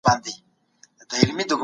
د خصوصي سکتور ملاتړ باید وسي.